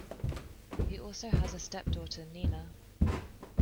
He also has a stepdaughter, Nina.